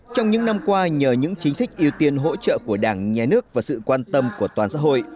trong những năm qua nhờ những chính sách ưu tiên hỗ trợ của đảng nhà nước và sự quan tâm của toàn xã hội